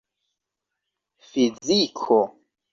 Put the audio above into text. fiziko